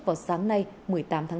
vào sáng nay một mươi tám tháng năm